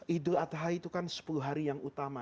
idul adha itu kan sepuluh hari yang utama